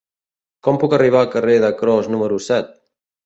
Com puc arribar al carrer de Cros número set?